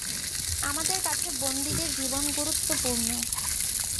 আমাদের কাছে বন্দিদের জীবন গুরুত্বপূর্ণ।